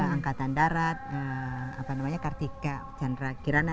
angkatan darat kartika chandra kirana